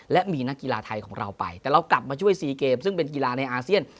และมีนักกีฬาไทยของเราไปแต่เรากลับมาช่วย๔เกมซึ่งเป็นกีฬาในอาเซียน